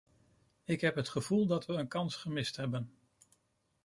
Ik heb het gevoel dat we een kans gemist hebben.